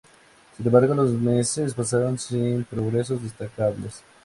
Sin embargo los meses pasaron sin progresos destacables.